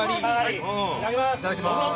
いただきます。